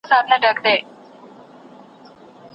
که غره ته وخېژو نو ساه نه بندیږي.